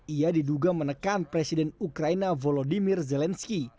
ia diduga menekan presiden ukraina volodymyr zelensky